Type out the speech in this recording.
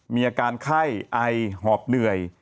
มีอาการไข้ไอหอบเหนื่อย